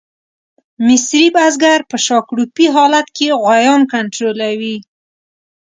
مصري بزګر په شاکړوپي حالت کې غویان کنټرولوي.